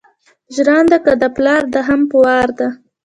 ژرنده که دې پلار ده هم په وار ده.